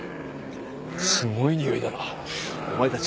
すごいニオイだなお前たち